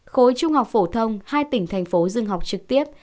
khối trung học phổ thông hai tỉnh thành phố dừng học trực tiếp